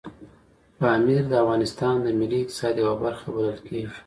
پامیر د افغانستان د ملي اقتصاد یوه برخه بلل کېږي.